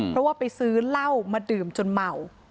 เพราะว่าไปซื้อเหล้ามาดื่มจนเมา